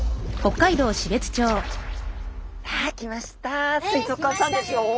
さあ来ました水族館さんですよ。